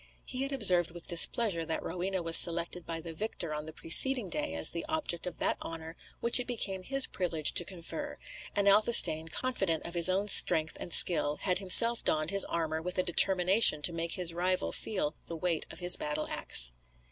He had observed with displeasure that Rowena was selected by the victor on the preceding day as the object of that honour which it became his privilege to confer, and Athelstane, confident of his own strength and skill, had himself donned his armour with a determination to make his rival feel the weight of his battle axe.